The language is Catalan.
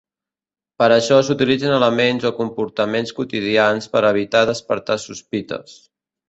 Per això s'utilitzen elements o comportaments quotidians per a evitar despertar sospites.